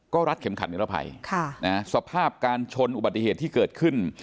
ก็รัดเข็มขัดนิรภัยสภาพการชนอุบัติเหตุที่เกิดขึ้น